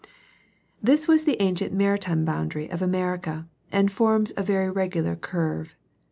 This was the antient maritime boundary of America and forms a very regular curve.